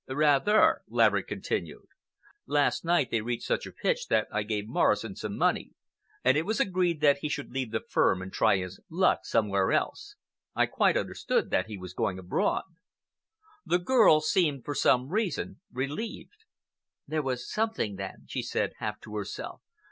"Rather," Laverick continued. "Last night they reached such a pitch that I gave Morrison some money and it was agreed that he should leave the firm and try his luck somewhere else. I quite understood that he was going abroad." The girl seemed, for some reason, relieved. "There was something, then," she said, half to herself.